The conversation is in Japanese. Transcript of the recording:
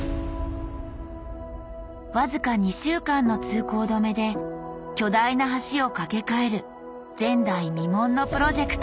僅か２週間の通行止めで巨大な橋を架け替える前代未聞のプロジェクト